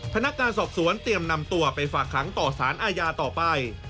พนักงานสอบสวนเตรียมนำตัวไปฝากขังต่อสารอาญาต่อไป